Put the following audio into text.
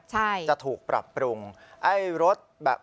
ใช่จะถูกปรับปรุงไอ้รถแบบ